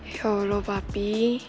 ya allah papi